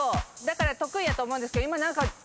だから得意やと思うんですけど今。